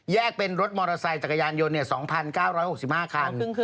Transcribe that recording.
เป็นรถมอเตอร์ไซค์จักรยานยนต์๒๙๖๕คัน